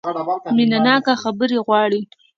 مینه ناکه خبرې غواړي .